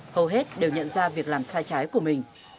hầu hết đều nhận ra việc làm sai trái của mình